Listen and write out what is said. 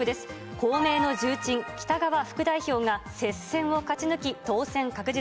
公明の重鎮、北側副代表が接戦を勝ち抜き、当選確実。